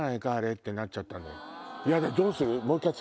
ってなっちゃったんだよ。